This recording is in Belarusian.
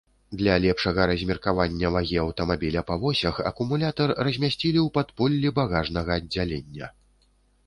Для лепшага размеркавання вагі аўтамабіля па восях акумулятар размясцілі ў падполлі багажнага аддзялення.